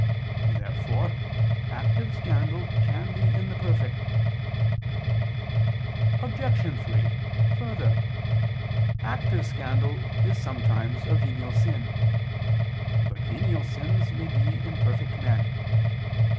Therefore active scandal can be in the perfect. Obj. 3: Further, active scandal is sometimes a venial sin. But venial sins may be in perfect men.